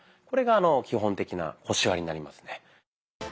これが基本的な腰割りになりますね。